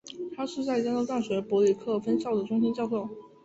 他是在加州大学伯克利分校的终身教授。